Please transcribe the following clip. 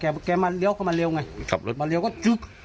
แต่แกมาเลี้ยวเข้ามาเร็วไงขับรถมาเร็วก็ยึก